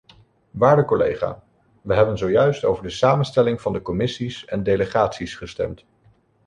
Waarde collega, we hebben zojuist over de samenstelling van de commissies en delegaties gestemd.